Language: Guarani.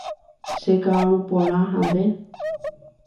Cheka'aru porã ha nde.